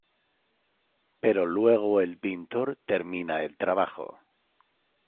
Pero luego el pintor termina el trabajo.